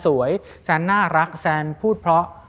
แซนสวยแซนน่ารักแซนพูดเพราะ